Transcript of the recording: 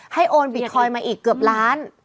ให้โอนบิทคอยมาอีกเกือบล้าน